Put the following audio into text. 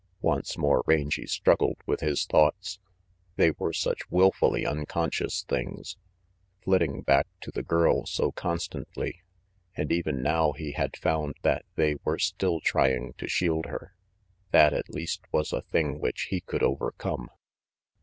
Once more Rangy struggled with his thoughts. They were such wilfully unconscious things, flitting RANGY PETE 275 back to the girl so constantly; and even now he had found that they were still trying to shield her. That, at least, was a thing which he could overcome.